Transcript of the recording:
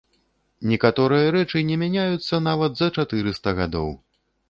Некаторыя рэчы не мяняюцца нават за чатырыста гадоў.